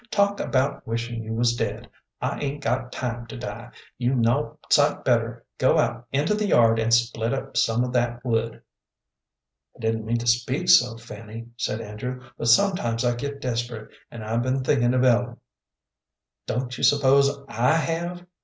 "Talk about wishin' you was dead. I 'ain't got time to die. You'd 'nough sight better go out into the yard and split up some of that wood." "I didn't mean to speak so, Fanny," said Andrew, "but sometimes I get desperate, and I've been thinking of Ellen." "Don't you suppose I have?"